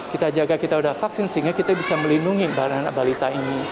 kita jaga kita sudah vaksin sehingga kita bisa melindungi anak anak balita ini